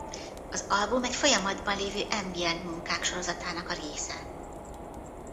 Az album egy folyamatban lévő ambient munkák sorozatának a része.